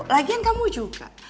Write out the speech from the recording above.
lagian kamu juga